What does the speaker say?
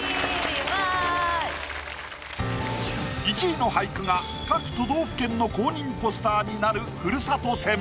１位の俳句が各都道府県の公認ポスターになる。